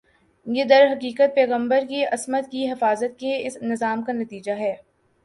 یہ درحقیقت پیغمبر کی عصمت کی حفاظت کے اس نظام کا نتیجہ ہے